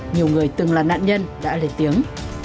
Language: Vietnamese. nhiều người từng là nạn nhân đã lên tiếng